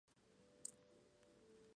Fue un proceso lento.